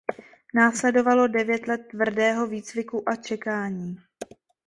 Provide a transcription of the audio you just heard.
Následovalo devět let tvrdého výcviku a čekání.